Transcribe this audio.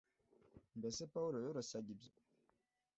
mbese pawulo yoroshyaga ibyo